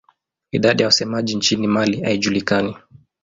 Idadi ya wasemaji nchini Mali haijulikani.